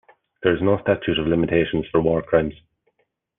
There is no statute of limitations for war crimes.